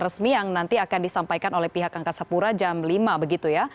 resmi yang nanti akan disampaikan oleh pihak angkasa pura jam lima begitu ya